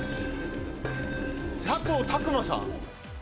佐藤琢磨さん。